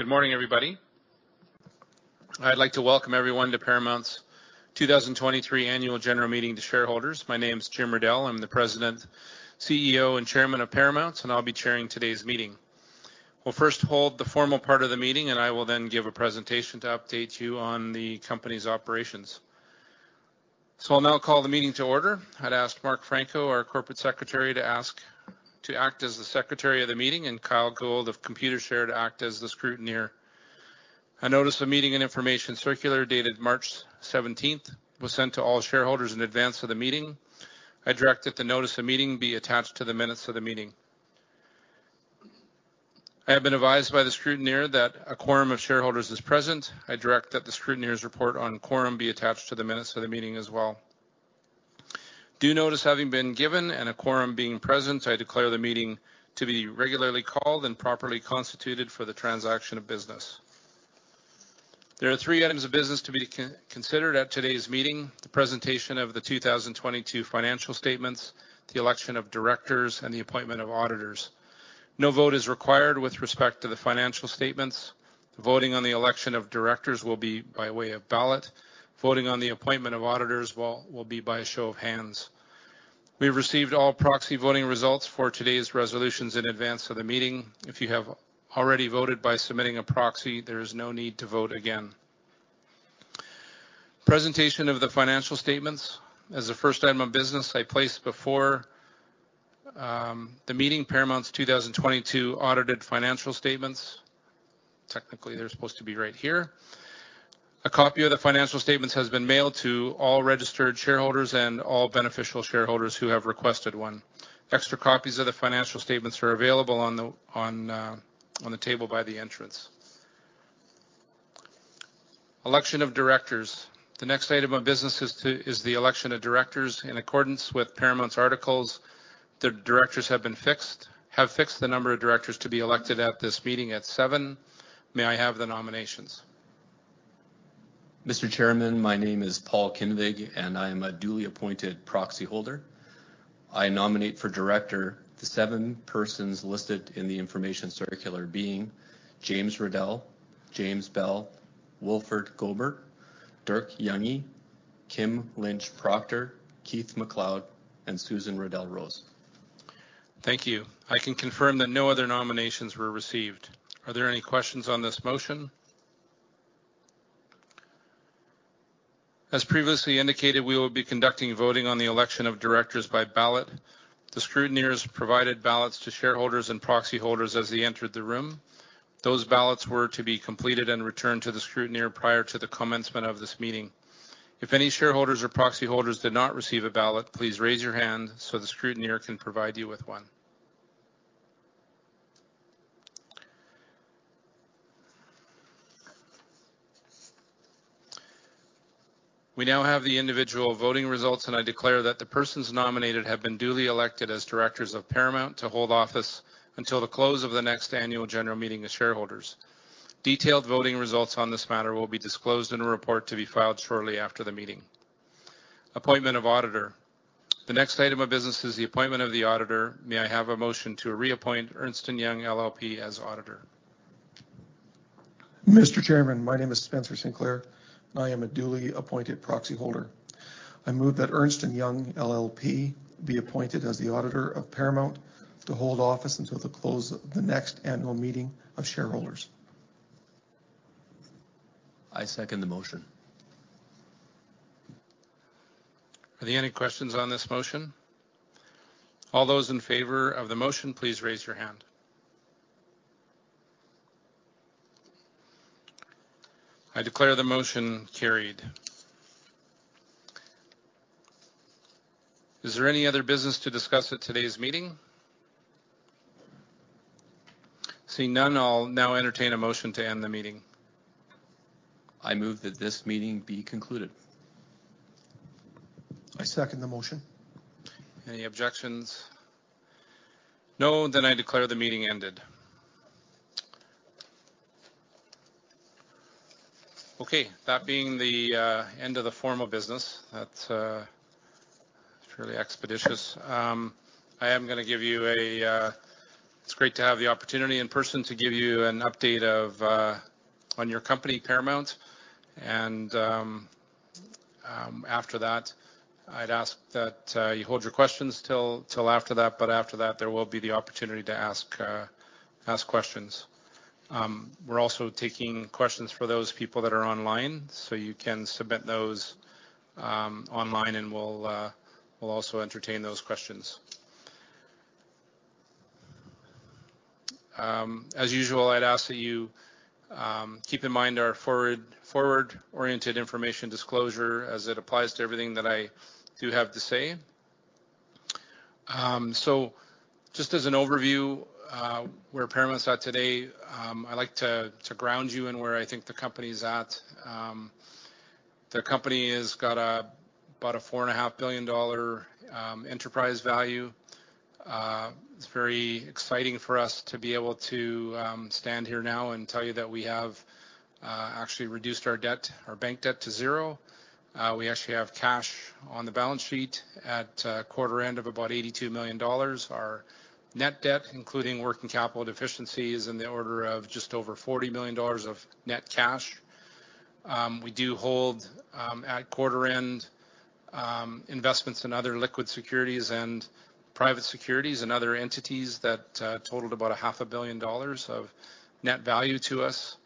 Good morning, everybody. I'd like to welcome everyone to Paramount's 2023 Annual General Meeting to Shareholders. My name's James Riddell, I'm the President, CEO, and Chairman of Paramount, and I'll be chairing today's meeting. We'll first hold the formal part of the meeting, and I will then give a presentation to update you on the company's operations. I'll now call the meeting to order. I'd ask Mark Franko, our Corporate Secretary, to act as the secretary of the meeting, and Kyle Gould of Computershare to act as the scrutineer. A notice of meeting and information circular dated March 17th was sent to all shareholders in advance of the meeting. I direct that the notice of meeting be attached to the minutes of the meeting. I have been advised by the scrutineer that a quorum of shareholders is present. I direct that the scrutineer's report on quorum be attached to the minutes of the meeting as well. Due notice having been given and a quorum being present, I declare the meeting to be regularly called and properly constituted for the transaction of business. There are three items of business to be considered at today's meeting, the presentation of the 2022 financial statements, the election of directors, and the appointment of auditors. No vote is required with respect to the financial statements. The voting on the election of directors will be by way of ballot. Voting on the appointment of auditors will be by a show of hands. We received all proxy voting results for today's resolutions in advance of the meeting. If you have already voted by submitting a proxy, there is no need to vote again. Presentation of the financial statements. As the first item of business, I place before the meeting Paramount's 2022 audited financial statements. Technically, they're supposed to be right here. A copy of the financial statements has been mailed to all registered shareholders and all beneficial shareholders who have requested one. Extra copies of the financial statements are available on the table by the entrance. Election of directors. The next item of business is the election of directors in accordance with Paramount's articles. The directors have fixed the number of directors to be elected at this meeting at seven. May I have the nominations? Mr. Chairman, my name is Paul Kinvig, and I am a duly appointed proxyholder. I nominate for director the seven persons listed in the information circular, being James Riddell, James Bell, Wilfred Gobert, Dirk Jungé, Kim Lynch Proctor, Keith MacLeod, and Susan Riddell Rose. Thank you. I can confirm that no other nominations were received. Are there any questions on this motion? As previously indicated, we will be conducting voting on the election of directors by ballot. The scrutineers provided ballots to shareholders and proxyholders as they entered the room. Those ballots were to be completed and returned to the scrutineer prior to the commencement of this meeting. If any shareholders or proxyholders did not receive a ballot, please raise your hand so the scrutineer can provide you with one. We now have the individual voting results, and I declare that the persons nominated have been duly elected as directors of Paramount to hold office until the close of the next annual general meeting of shareholders. Detailed voting results on this matter will be disclosed in a report to be filed shortly after the meeting. Appointment of auditor. The next item of business is the appointment of the auditor. May I have a motion to reappoint Ernst & Young LLP as auditor? Mr. Chairman, my name is Spencer Sinclair. I am a duly appointed proxyholder. I move that Ernst & Young LLP be appointed as the auditor of Paramount to hold office until the close of the next annual meeting of shareholders. I second the motion. Are there any questions on this motion? All those in favor of the motion, please raise your hand. I declare the motion carried. Is there any other business to discuss at today's meeting? Seeing none, I'll now entertain a motion to end the meeting. I move that this meeting be concluded. I second the motion. Any objections? No. I declare the meeting ended. That being the end of the formal business, that's fairly expeditious. It's great to have the opportunity in person to give you an update on your company, Paramount. After that, I'd ask that you hold your questions till after that. After that, there will be the opportunity to ask questions. We're also taking questions for those people that are online. You can submit those online, and we'll also entertain those questions. As usual, I'd ask that you keep in mind our forward-oriented information disclosure as it applies to everything that I do have to say. Just as an overview, where Paramount's at today, I'd like to ground you in where I think the company's at. The company has got about a 4.5 billion dollar enterprise value. It's very exciting for us to be able to stand here now and tell you that we have actually reduced our debt, our bank debt to zero. We actually have cash on the balance sheet at quarter end of about 82 million dollars. Our net debt, including working capital deficiencies in the order of just over 40 million dollars of net cash. We do hold at quarter end investments in other liquid securities and private securities and other entities that totaled about a half a billion dollars of net value to us.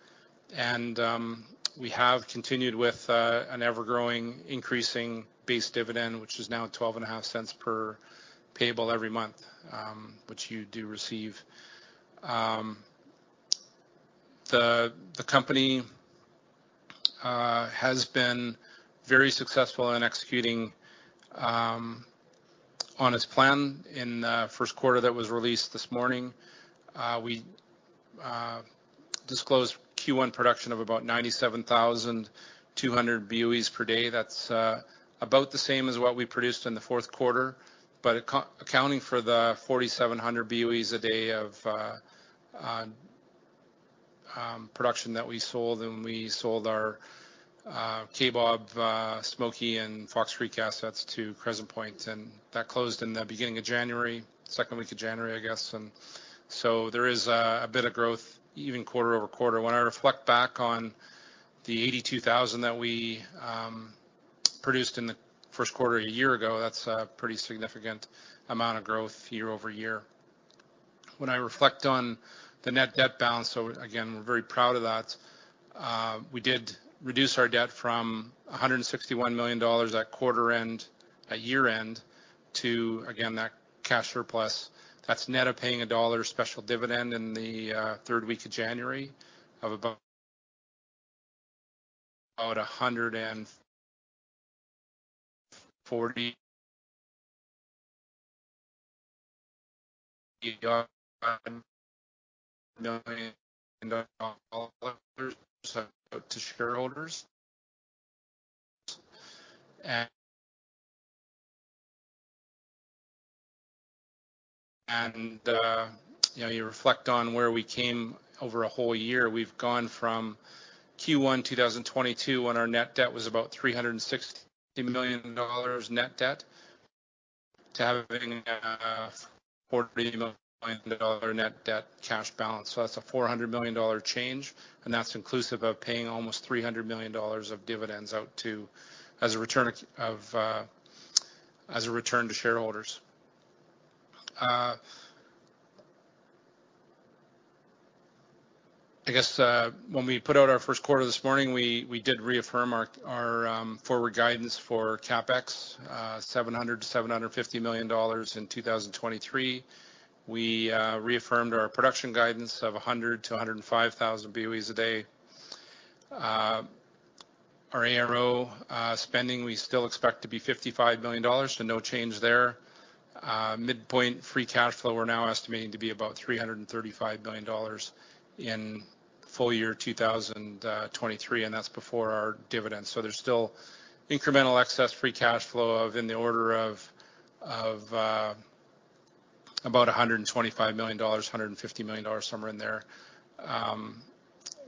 We have continued with an ever-growing increasing base dividend, which is now 0.125 per payable every month, which you do receive. The company has been very successful in executing on its plan in first quarter that was released this morning. We disclosed Q1 production of about 97,200 BOEs per day. That's about the same as what we produced in the fourth quarter. Accounting for the 4,700 BOEs a day of production that we sold when we sold our Kaybob, Smoky, and Fox Creek assets to Crescent Point Energy, that closed in the beginning of January, second week of January, I guess. There is a bit of growth even quarter-over-quarter. When I reflect back on the 82,000 that we produced in the first quarter a year ago, that's a pretty significant amount of growth year-over-year. When I reflect on the net debt balance, again, we're very proud of that. We did reduce our debt from 161 million dollars at quarter end at year end to, again, that cash surplus. That's net of paying a CAD 1 special dividend in the third week of January of about CAD 140 to shareholders. You know, you reflect on where we came over a whole year. We've gone from Q1 2022, when our net debt was about 360 million dollars net debt, to having a 40 million dollar net debt cash balance. That's a 400 million dollar change, and that's inclusive of paying almost 300 million dollars of dividends out to, as a return of, as a return to shareholders. When we put out our first quarter this morning, we did reaffirm our forward guidance for CapEx, 700 million-750 million dollars in 2023. We reaffirmed our production guidance of 100,000-105,000 BOEs a day. Our ARO spending, we still expect to be 55 million dollars, so no change there. Midpoint free cash flow, we're now estimating to be about 335 million dollars in full year 2023, and that's before our dividends. There's still incremental excess free cash flow in the order of about 125 million dollars, 150 million dollars, somewhere in there,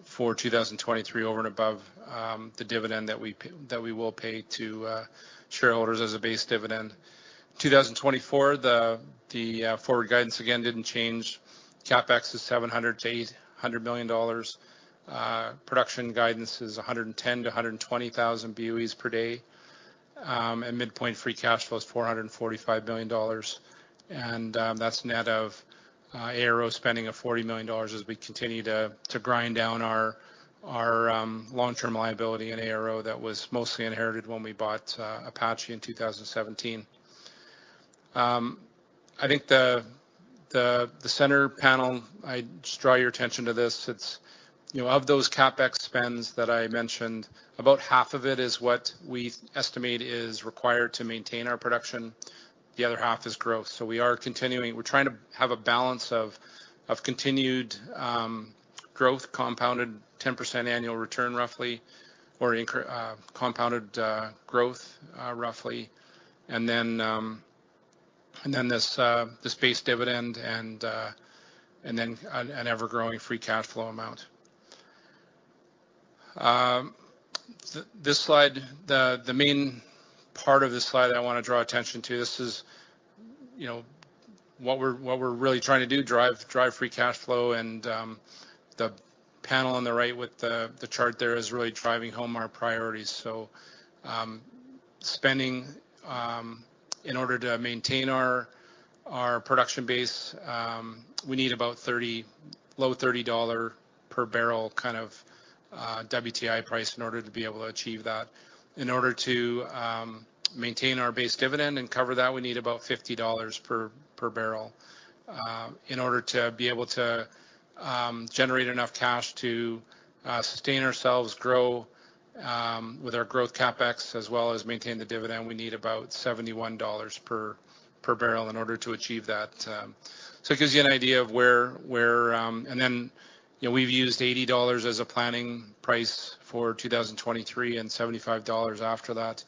for 2023, over and above the dividend that we will pay to shareholders as a base dividend. 2024, the forward guidance again didn't change. CapEx is 700 million-800 million dollars. Production guidance is 110,000-120,000 BOEs per day. Midpoint free cash flow is 445 billion dollars. That's net of ARO spending of 40 million dollars as we continue to grind down our long-term liability in ARO that was mostly inherited when we bought Apache in 2017. I think the center panel, I just draw your attention to this. It's, you know, of those CapEx spends that I mentioned, about half of it is what we estimate is required to maintain our production. The other half is growth. We're trying to have a balance of continued growth, compounded 10% annual return, roughly, or compounded growth, roughly. This base dividend and an ever-growing free cash flow amount. This slide, the main part of this slide I wanna draw attention to, this is, you know, what we're really trying to do, drive free cash flow. The panel on the right with the chart there is really driving home our priorities. Spending in order to maintain our production base, we need about 30, low 30 dollar per bbl kind of WTI price in order to be able to achieve that. In order to maintain our base dividend and cover that, we need about 50 dollars per bbl. In order to be able to generate enough cash to sustain ourselves, grow with our growth CapEx, as well as maintain the dividend, we need about 71 dollars per bbl in order to achieve that. It gives you an idea of where, you know, we've used 80 dollars as a planning price for 2023 and CAD 75 after that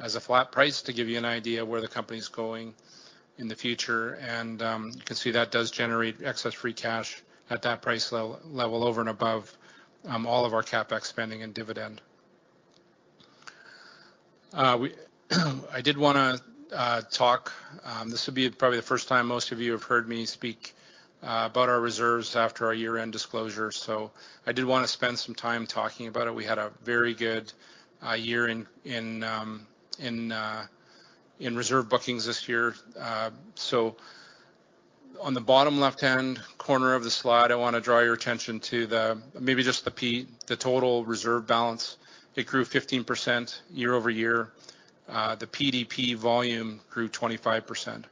as a flat price to give you an idea of where the company's going in the future. You can see that does generate excess free cash at that price level over and above all of our CapEx spending and dividend. I did wanna talk, this will be probably the first time most of you have heard me speak about our reserves after our year-end disclosure. I did wanna spend some time talking about it. We had a very good year in reserve bookings this year. On the bottom left-hand corner of the slide, I want to draw your attention to the maybe just the 2P the total reserve balance. It grew 15% year-over-year. The PDP volume grew 25%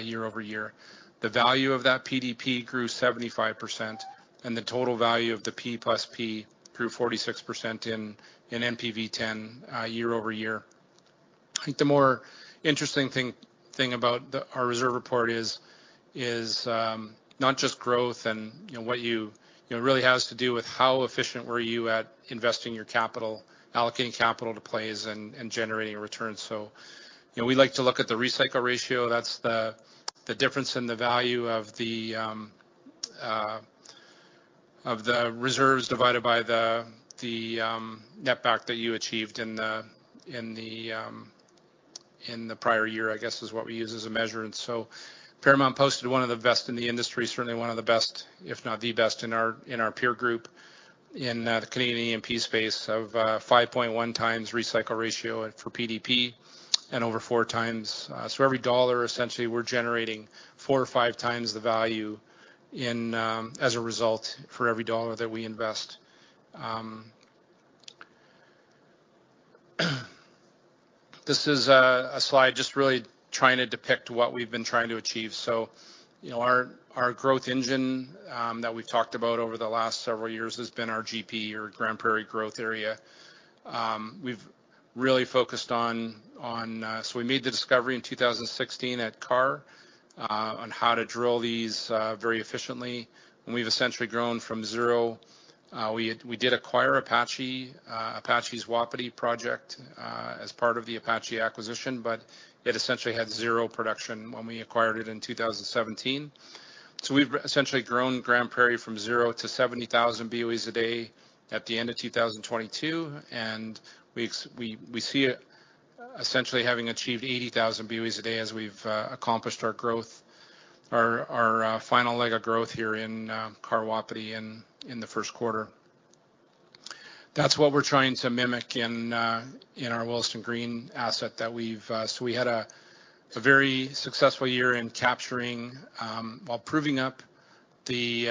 year-over-year. The value of that PDP grew 75%, and the total value of the 2P grew 46% in NPV 10 year-over-year. I think the more interesting thing about our reserve report is not just growth and, you know, what you know, really has to do with how efficient were you at investing your capital, allocating capital to plays, and generating returns. You know, we like to look at the recycle ratio. That's the difference in the value of the reserves divided by the net back that you achieved in the prior year, I guess, is what we use as a measure. Paramount posted one of the best in the industry, certainly one of the best, if not the best in our peer group, in the Canadian E&P space of 5.1x recycle ratio for PDP and over 4x. Every dollar, essentially, we're generating 4x or 5x the value as a result for every dollar that we invest. This is a slide just really trying to depict what we've been trying to achieve. You know, our growth engine that we've talked about over the last several years has been our GP, or Grande Prairie growth area. We've really focused on how to drill these very efficiently, and we've essentially grown from zero. We did acquire Apache's Wapiti project as part of the Apache acquisition, but it essentially had zero production when we acquired it in 2017. We've essentially grown Grande Prairie from zero to 70,000 BOEs a day at the end of 2022, and we see it essentially having achieved 80,000 BOEs a day as we've accomplished our growth, our final leg of growth here in Karr/Wapiti in the first quarter. That's what we're trying to mimic in our Willesden Green asset. We had a very successful year in capturing while proving up the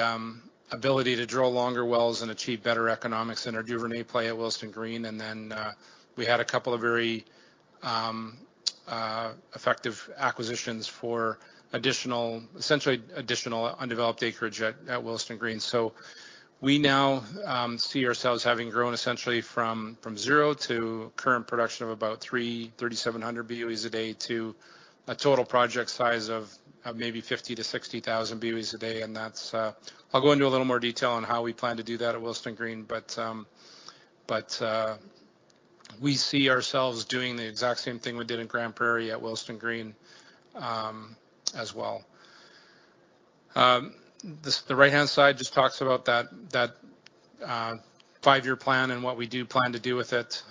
ability to drill longer wells and achieve better economics in our Duvernay play at Willesden Green. We had a couple of very effective acquisitions for additional, essentially additional undeveloped acreage at Willesden Green. We now see ourselves having grown essentially from zero to current production of about 3,700 BOEs a day to a total project size of maybe 50,000-60,000 BOEs a day, and that's I'll go into a little more detail on how we plan to do that at Willesden Green. We see ourselves doing the exact same thing we did in Grande Prairie at Willesden Green as well. The right-hand side just talks about that five-year plan and what we do plan to do with it.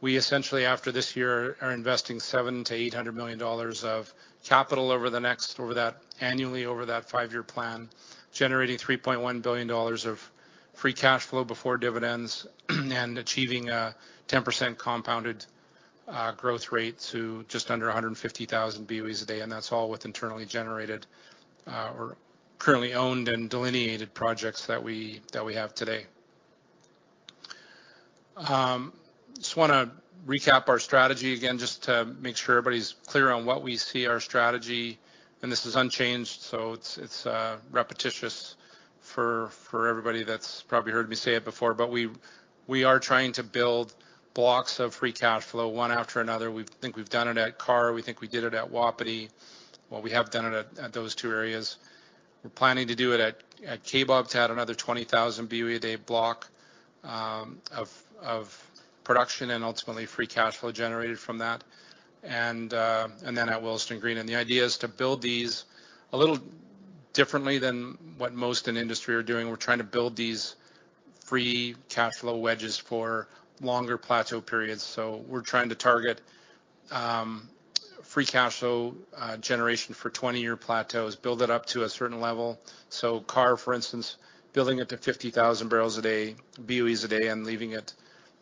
We essentially, after this year, are investing 700 million-800 million dollars of capital over that annually over that five-year plan, generating 3.1 billion dollars of free cash flow before dividends and achieving a 10% compounded growth rate to just under 150,000 BOEs a day, and that's all with internally generated or currently owned and delineated projects that we, that we have today. Just wanna recap our strategy again just to make sure everybody's clear on what we see our strategy, and this is unchanged, so it's repetitious for everybody that's probably heard me say it before. We are trying to build blocks of free cash flow one after another. We think we've done it at Karr. We think we did it at Wapiti. Well, we have done it at those two areas. We're planning to do it at Kaybob to add another 20,000 BOE a day block of production and ultimately free cash flow generated from that and then at Willesden Green. The idea is to build these a little differently than what most in the industry are doing. We're trying to build these free cash flow wedges for longer plateau periods. We're trying to target free cash flow generation for 20-year plateaus, build it up to a certain level. Karr, for instance, building it to 50,000 bbl a day, BOEs a day, and leaving it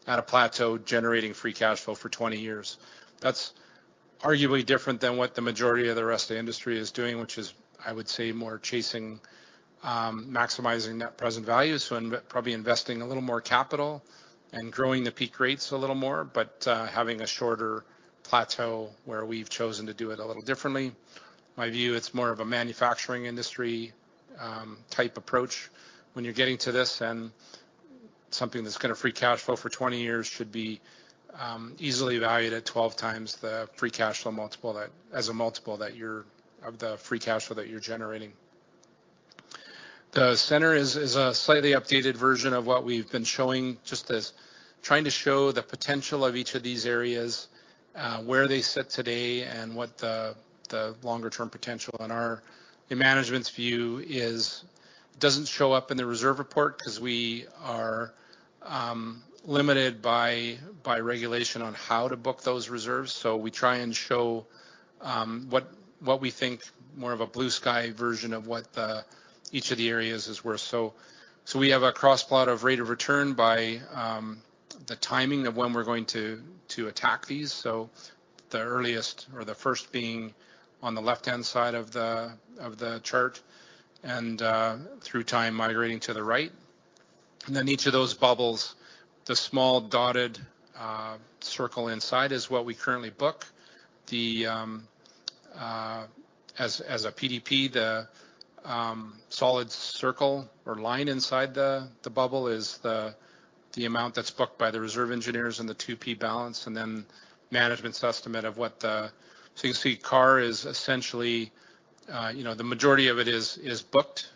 at a plateau, generating free cash flow for 20 years. That's arguably different than what the majority of the rest of the industry is doing, which is, I would say, more chasing maximizing NPV, probably investing a little more capital and growing the peak rates a little more, but having a shorter plateau where we've chosen to do it a little differently. My view, it's more of a manufacturing industry type approach when you're getting to this. Something that's gonna free cash flow for 20 years should be easily valued at 12x the free cash flow multiple that you're of the free cash flow that you're generating. The center is a slightly updated version of what we've been showing, just as trying to show the potential of each of these areas, where they sit today and what the management's view is doesn't show up in the reserve report because we are limited by regulation on how to book those reserves. We try and show what we think more of a blue sky version of what each of the areas is worth. We have a cross plot of rate of return by the timing of when we're going to attack these. The earliest or the first being on the left-hand side of the chart and through time migrating to the right. Each of those bubbles, the small dotted circle inside is what we currently book. As a PDP, the solid circle or line inside the bubble is the amount that's booked by the reserve engineers and the 2P balance, and then management's estimate. You can see Karr is essentially, you know, the majority of it is booked.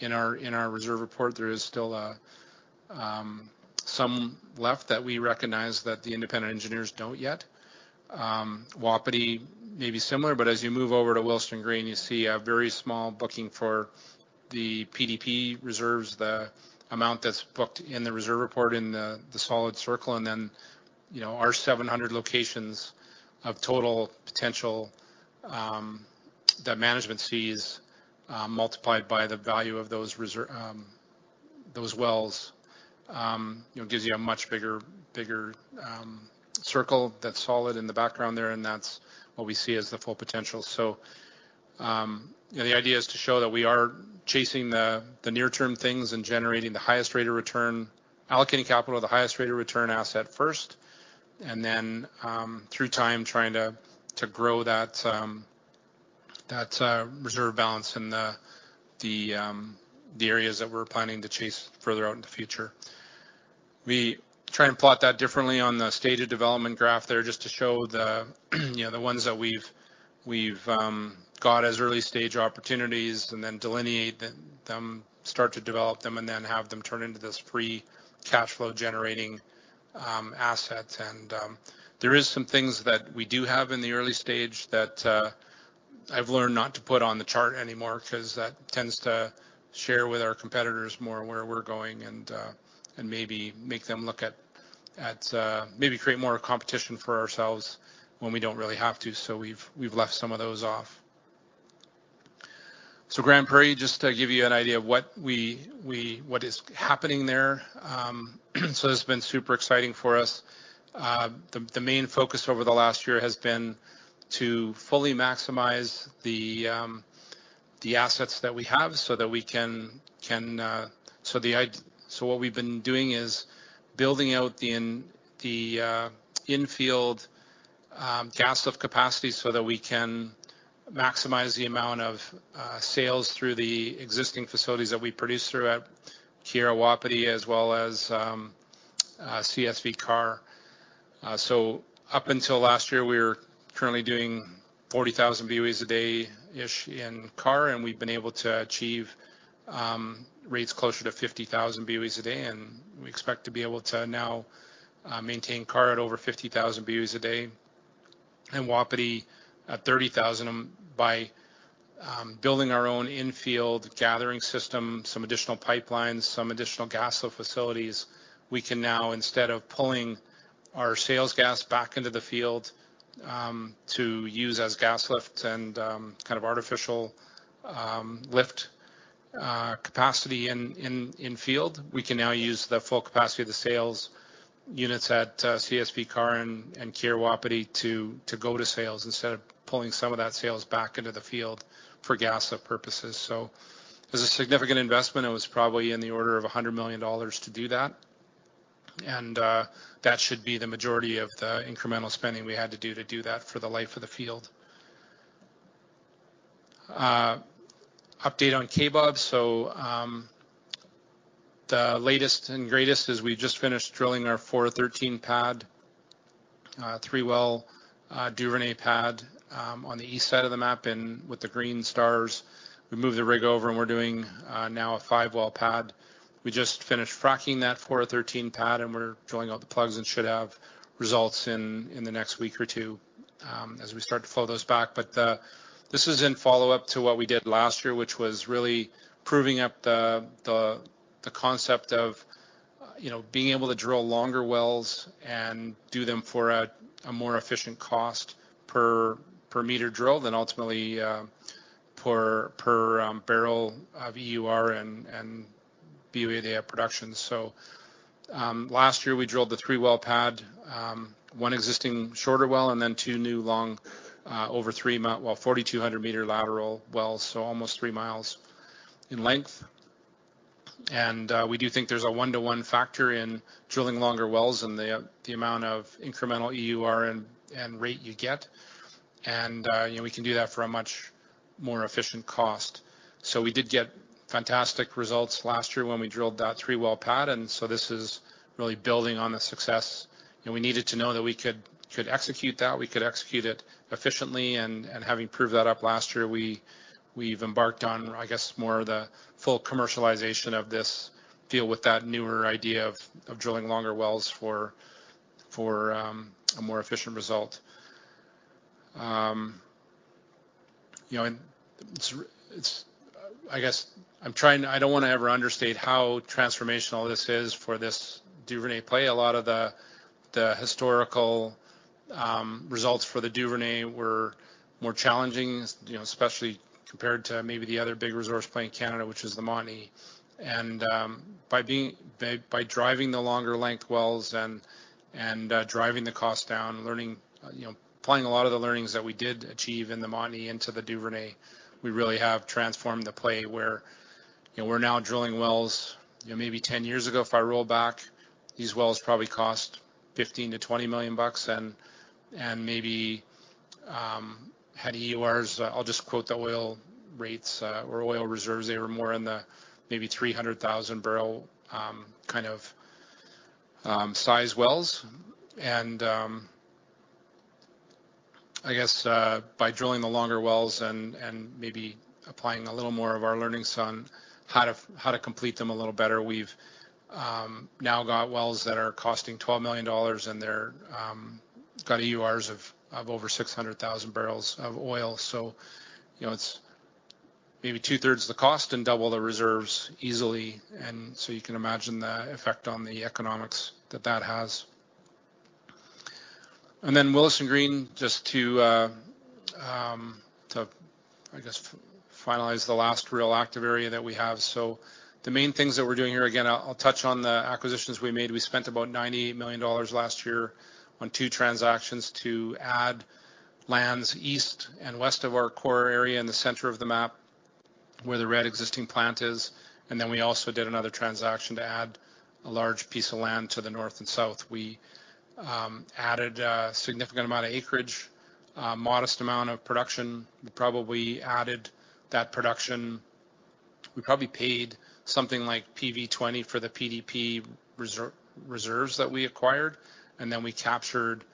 In our reserve report, there is still some left that we recognize that the independent engineers don't yet. Wapiti may be similar, but as you move over to Willesden Green, you see a very small booking for the PDP reserves, the amount that's booked in the reserve report in the solid circle. Then, you know, our 700 locations of total potential that management sees, multiplied by the value of those wells, you know, gives you a much bigger circle that's solid in the background there, and that's what we see as the full potential. You know, the idea is to show that we are chasing the near term things and generating the highest rate of return, allocating capital to the highest rate of return asset first, and then through time, trying to grow that reserve balance in the areas that we're planning to chase further out in the future. We try and plot that differently on the stage of development graph there, just to show, you know, the ones that we've got as early stage opportunities and then delineate them, start to develop them, and then have them turn into this free cash flow generating assets. There is some things that we do have in the early stage that I've learned not to put on the chart anymore 'cause that tends to share with our competitors more where we're going and maybe make them look at maybe create more competition for ourselves when we don't really have to. We've left some of those off. Grande Prairie, just to give you an idea of what we what is happening there. This has been super exciting for us. The main focus over the last year has been to fully maximize the assets that we have so that we can. What we've been doing is building out the infield gas lift capacity so that we can maximize the amount of sales through the existing facilities that we produce throughout Keyera Wapiti as well as CSV Karr. Up until last year, we were currently doing 40,000 BOEs a day-ish in Karr, and we've been able to achieve rates closer to 50,000 BOEs a day, and we expect to be able to now maintain Karr at over 50,000 BOEs a day and Wapiti at 30,000 by building our own infield gathering system, some additional pipelines, some additional gas lift facilities. We can now, instead of pulling our sales gas back into the field, to use as gas lift and kind of artificial lift capacity in field, we can now use the full capacity of the sales units at CSV Karr and Keyera Wapiti to go to sales instead of pulling some of that sales back into the field for gas lift purposes. It was a significant investment. It was probably in the order of 100 million dollars to do that, and that should be the majority of the incremental spending we had to do to do that for the life of the field. Update on Kaybob. The latest and greatest is we just finished drilling our 413 pad, three-well Duvernay pad, on the east side of the map in with the green stars. We moved the rig over, and we're doing now a five-well pad. We just finished fracking that 413 pad, and we're drilling out the plugs and should have results in the next one or two weeks as we start to flow those back. This is in follow-up to what we did last year, which was really proving up the concept of, you know, being able to drill longer wells and do them for a more efficient cost per meter drilled, and ultimately, per barrel of EUR and BOE they have productions. Last year, we drilled the three-well pad, one existing shorter well and then two new long, 4,200 m lateral wells, so almost 3 mi in length. We do think there's a one-to-one factor in drilling longer wells and the amount of incremental EUR and rate you get. You know, we can do that for a much more efficient cost. We did get fantastic results last year when we drilled that three-well pad. This is really building on the success. And we needed to know that we could execute that, we could execute it efficiently. Having proved that up last year, we've embarked on, I guess, more of the full commercialization of this deal with that newer idea of drilling longer wells for a more efficient result. You know, I don't wanna ever understate how transformational this is for this Duvernay play. A lot of the historical results for the Duvernay were more challenging, you know, especially compared to maybe the other big resource play in Canada, which is the Montney. By driving the longer length wells and driving the cost down, learning, you know, applying a lot of the learnings that we did achieve in the Montney into the Duvernay, we really have transformed the play where, you know, we're now drilling wells. You know, maybe 10 years ago, if I roll back, these wells probably cost 15 million-20 million bucks and maybe had EURs. I'll just quote the oil rates, or oil reserves, they were more in the maybe 300,000 bbl kind of size wells. I guess, by drilling the longer wells and maybe applying a little more of our learnings on how to complete them a little better, we've now got wells that are costing 12 million dollars, and they're got EURs of over 600,000 bbl of oil. You know, it's maybe 2/3 the cost and double the reserves easily. You can imagine the effect on the economics that that has. Wilson Green, just to, I guess, finalize the last real active area that we have. The main things that we're doing here, again, I'll touch on the acquisitions we made. We spent about 98 million dollars last year on two transactions to add lands east and west of our core area in the center of the map, where the red existing plant is. We also did another transaction to add a large piece of land to the north and south. We added a significant amount of acreage, a modest amount of production. We probably added that production. We probably paid something like PV 20 for the PDP reserves that we acquired, and then we captured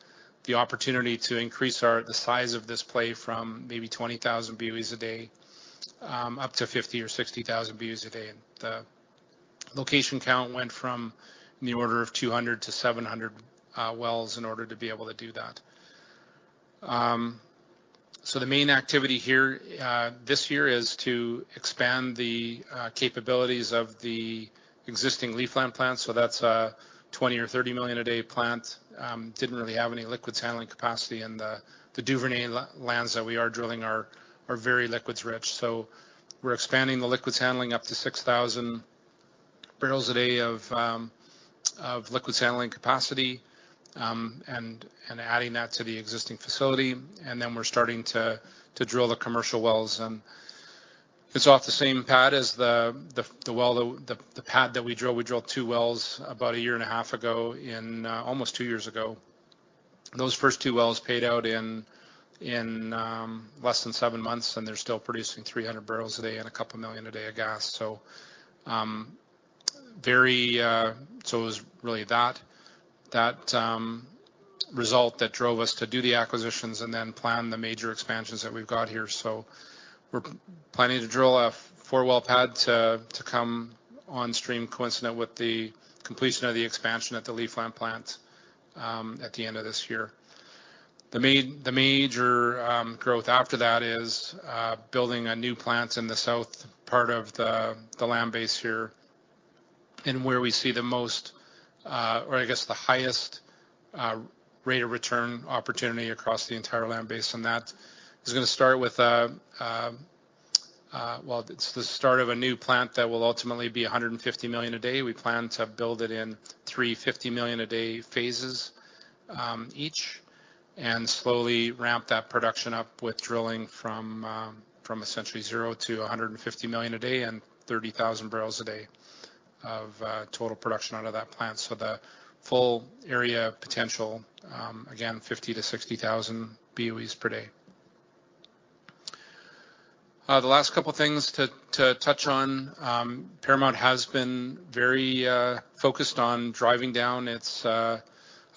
the opportunity to increase the size of this play from maybe 20,000 BOEs a day up to 50,000 or 60,000 BOEs a day. The location count went from in the order of 200-700 wells in order to be able to do that. The main activity here this year is to expand the capabilities of the existing Leafland plant. That's a 20 million or 30 million a day plant. Didn't really have any liquids handling capacity, and the Duvernay lands that we are drilling are very liquids rich. We're expanding the liquids handling up to 6,000 bbl a day of liquids handling capacity and adding that to the existing facility. We're starting to drill the commercial wells, and it's off the same pad as the pad that we drilled. We drilled two wells about a year and a half ago in almost two years ago. Those first two wells paid out in less than seven months, and they're still producing 300 bbl a day and 2 million a day of gas. It was really that result that drove us to do the acquisitions and then plan the major expansions that we've got here. We're planning to drill a four-well pad to come on stream coincident with the completion of the expansion at the Leafland plant at the end of this year. The major growth after that is building a new plant in the south part of the land base here, and where we see the most, or I guess the highest, rate of return opportunity across the entire land base. Well, it's the start of a new plant that will ultimately be 150 million a day. We plan to build it in 350 million a day phases, each, and slowly ramp that production up with drilling from essentially zero to 150 million a day and 30,000 bbl a day of total production out of that plant. The full area potential, again, 50,000-60,000 BOEs per day. The last couple things to touch on, Paramount has been very focused on driving down its, I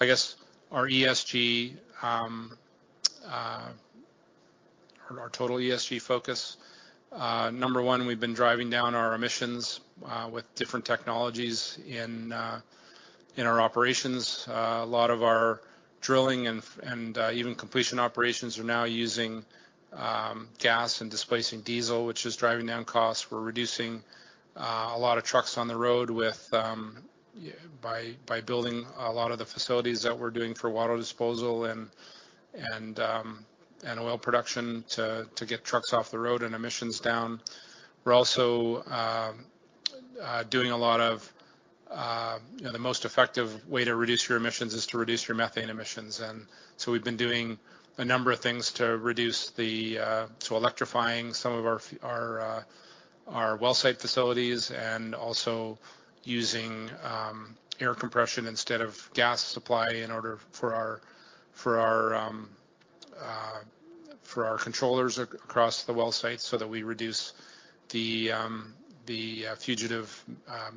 guess our ESG, or our total ESG focus. Number one, we've been driving down our emissions with different technologies in our operations. A lot of our drilling and even completion operations are now using gas and displacing diesel, which is driving down costs. We're reducing a lot of trucks on the road with building a lot of the facilities that we're doing for water disposal and oil production to get trucks off the road and emissions down. We're also doing a lot of, you know, the most effective way to reduce your emissions is to reduce your methane emissions. We've been doing a number of things to reduce the electrifying some of our our well site facilities and also using air compression instead of gas supply in order for our, for our controllers across the well site so that we reduce the fugitive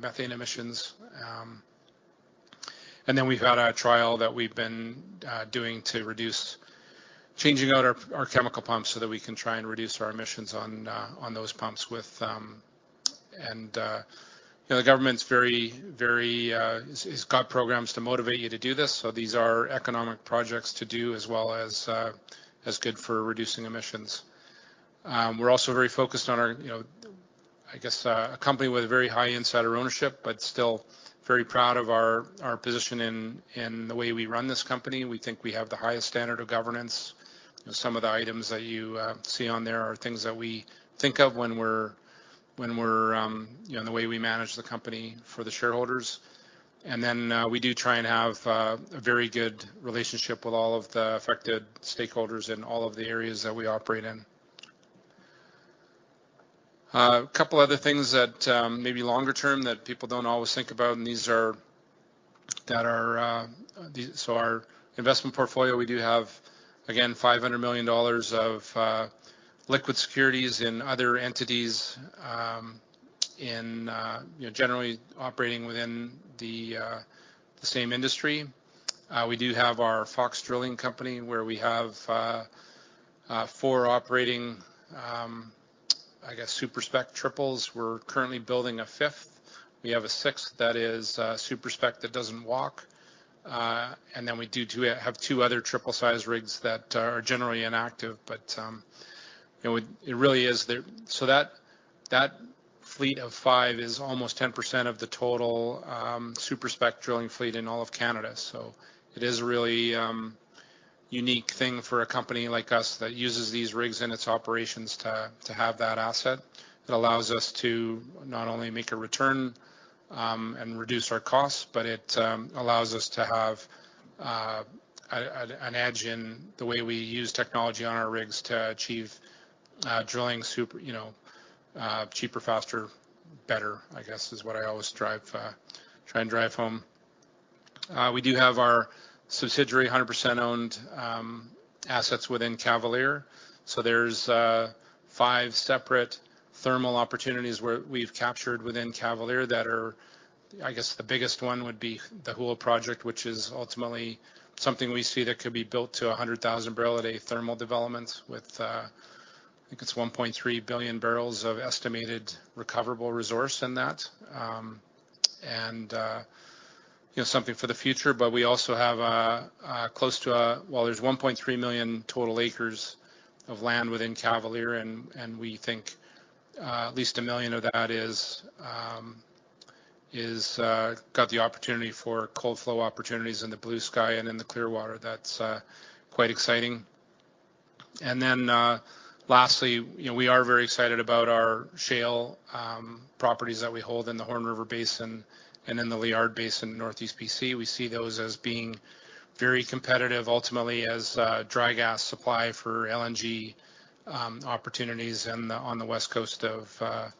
methane emissions. Then we've had a trial that we've been doing to reduce changing out our chemical pumps so that we can try and reduce our emissions on those pumps with. You know, the government's very it's got programs to motivate you to do this. These are economic projects to do as well as good for reducing emissions. We're also very focused on our, you know, I guess, a company with very high insider ownership, but still very proud of our position in the way we run this company. We think we have the highest standard of governance. You know, some of the items that you see on there are things that we think of when we're, when we're, you know, the way we manage the company for the shareholders. We do try and have a very good relationship with all of the affected stakeholders in all of the areas that we operate in. A couple other things that may be longer term that people don't always think about. Our investment portfolio, we do have, again, 500 million dollars of liquid securities in other entities, in generally operating within the same industry. We do have our Fox Drilling company where we have four operating super-spec triples. We're currently building a fifth. We have a sixth that is super-spec that doesn't walk. Then we have two other triple size rigs that are generally inactive, but it really is the that fleet of five is almost 10% of the total super-spec drilling fleet in all of Canada. It is a really unique thing for a company like us that uses these rigs in its operations to have that asset. It allows us to not only make a return and reduce our costs, but it allows us to have an edge in the way we use technology on our rigs to achieve drilling super-spec, you know, cheaper, faster, better, I guess, is what I always try and drive home. We do have our subsidiary, 100% owned assets within Cavalier. There's five separate thermal opportunities where we've captured within Cavalier that are, I guess the biggest one would be the Hoole Project, which is ultimately something we see that could be built to a 100,000 bbl a day thermal development with, I think it's 1.3 billion bbls of estimated recoverable resource in that. You know, something for the future. We also have close to, there's 1.3 million total acres of land within Cavalier, and we think 1 million of that is got the opportunity for cold flow opportunities in the Bluesky and in the Clearwater. That's quite exciting. Lastly, you know, we are very excited about our shale properties that we hold in the Horn River Basin and in the Liard Basin in Northeast BC. We see those as being very competitive ultimately as dry gas supply for LNG opportunities on the West Coast of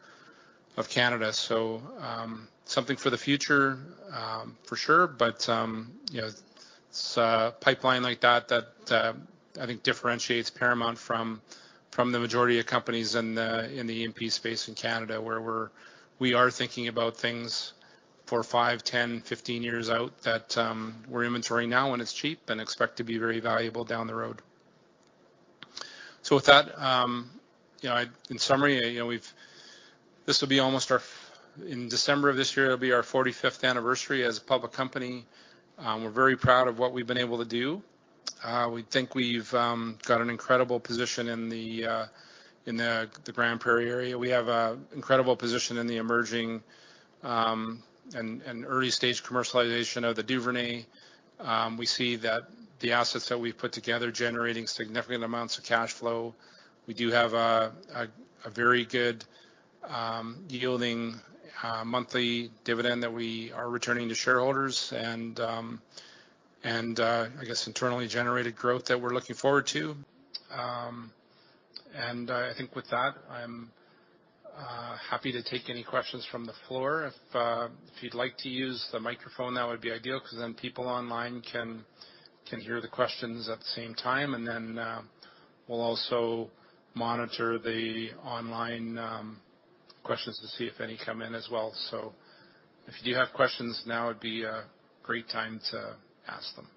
Canada. Something for the future for sure. You know, it's a pipeline like that that I think differentiates Paramount from the majority of companies in the E&P space in Canada, where we are thinking about things for five, 10, 15 years out that we're inventorying now when it's cheap and expect to be very valuable down the road. With that, you know, in summary, you know, In December of this year, it'll be our 45th anniversary as a public company. We're very proud of what we've been able to do. We think we've got an incredible position in the Grande Prairie area. We have a incredible position in the emerging and early stage commercialization of the Duvernay. We see that the assets that we've put together generating significant amounts of cash flow. We do have a very good yielding monthly dividend that we are returning to shareholders and I guess internally generated growth that we're looking forward to. I think with that, I'm happy to take any questions from the floor. If, if you'd like to use the microphone, that would be ideal because then people online can hear the questions at the same time. We'll also monitor the online questions to see if any come in as well. If you do have questions, now would be a great time to ask them.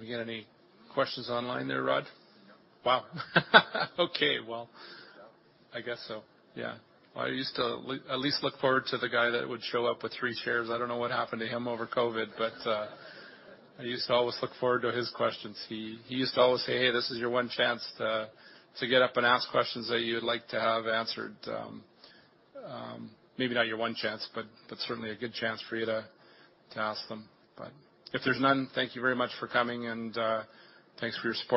We get any questions online there, Rod? No. Wow. Okay. Well. So. I guess so. Yeah. I used to at least look forward to the guy that would show up with three chairs. I don't know what happened to him over COVID. I used to always look forward to his questions. He used to always say, "Hey, this is your one chance to get up and ask questions that you would like to have answered." Maybe not your one chance, that's certainly a good chance for you to ask them. If there's none, thank you very much for coming and thanks for your support.